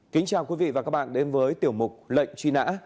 kính chào quý vị và các bạn đến với tiểu mục lệnh truy nã